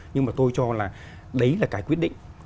nhưng mà tôi cho là đấy là cái quyết định